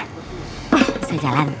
ah bisa jalan